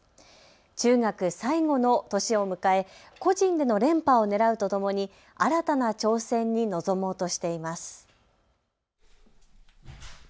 中学最後の年を迎え個人での連覇をねらうとともに新たな挑戦に臨もうとしています。